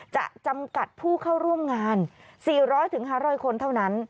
จะจำกัดผู้เข้าร่วมงานสี่ร้อยถึงห้าร้อยคนเท่านั้น